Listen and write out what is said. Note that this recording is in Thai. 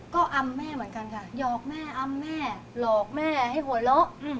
ก็อำแม่เหมือนกันค่ะหยอกแม่อำแม่หลอกแม่ให้หัวเราะ